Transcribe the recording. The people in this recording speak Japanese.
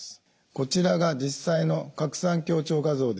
こちらが実際の拡散強調画像です。